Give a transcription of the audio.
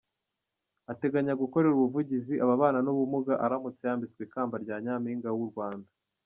Ateganya gukorera ubuvugizi ababana n’ubumuga aramutse yambitswe ikamba rya Nyampinga w’u Rwanda.